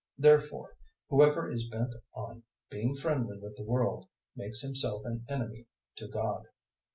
Therefore whoever is bent on being friendly with the world makes himself an enemy to God.